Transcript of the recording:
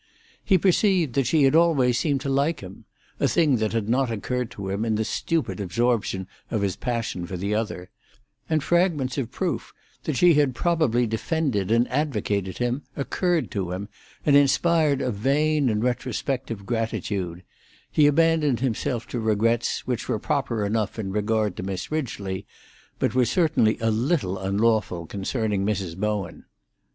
He perceived that she had always seemed to like him—a thing that had not occurred to him in the stupid absorption of his passion for the other—and fragments of proof that she had probably defended and advocated him occurred to him, and inspired a vain and retrospective gratitude; he abandoned himself to regrets, which were proper enough in regard to Miss Ridgely, but were certainly a little unlawful concerning Mrs. Bowen.